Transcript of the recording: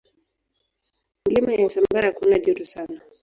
Milima ya Usambara hakuna joto sana.